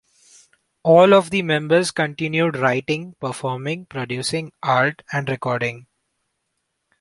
All of the members continued writing, performing, producing art and recording.